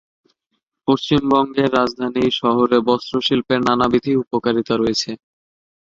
পশ্চিমবঙ্গের রাজধানী শহরে বস্ত্র শিল্পের নানাবিধ উপকারিতা রয়েছে।